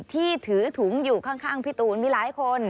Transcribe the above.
ที่ถือถุงอยู่ข้างพี่ตูนมีหลายคน